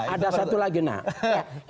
ada satu lagi nah